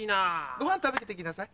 ごはん食べていきなさい